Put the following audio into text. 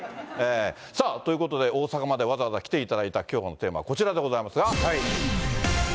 さあ、ということで、大阪までわざわざ来ていただいたきょうのテーマはこちらでございますが。